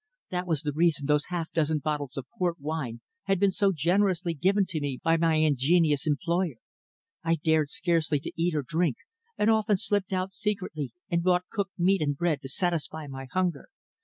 That was the reason those half dozen bottles of port wine had been so generously given to me by my ingenious employer. I dared scarcely to eat or drink, and often slipped out secretly and bought cooked meat and bread to satisfy my hunger.